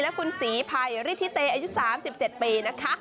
และคุณสีภัยฤทธิเตยอายุ๓๗ปี